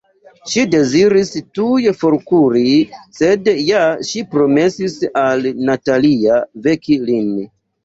Ŝi deziris tuj forkuri, sed ja ŝi promesis al Natalia veki lin.